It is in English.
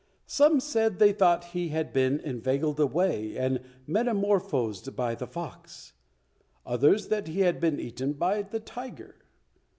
Some said they thought he had been inveigled away and metamorphosed by the fox; others that he had been eaten by the tiger.